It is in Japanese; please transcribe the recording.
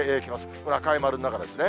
これ、赤い丸の中ですね。